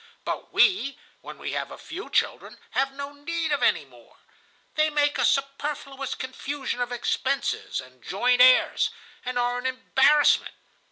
But we, when we have a few children, have no need of any more. They make a superfluous confusion of expenses and joint heirs, and are an embarrassment.